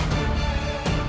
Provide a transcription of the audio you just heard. terima kasih gusdi